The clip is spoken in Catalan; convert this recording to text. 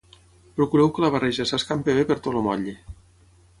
Procureu que la barreja s'escampi bé per tot el motlle